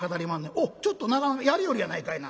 『おっちょっとなかなかやりよるやないかいな』。